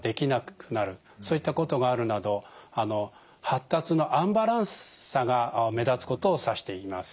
そういったことがあるなど発達のアンバランスさが目立つことを指して言います。